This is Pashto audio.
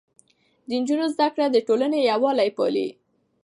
د نجونو زده کړه د ټولنې يووالی پالي.